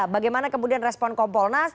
bagaimana kemudian respon kompolnas